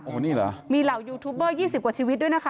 โอ้โหนี่เหรอมีเหล่ายูทูบเบอร์๒๐กว่าชีวิตด้วยนะคะ